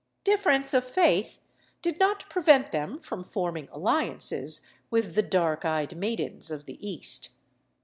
Difference of faith did not prevent them from forming alliances with the dark eyed maidens of the East.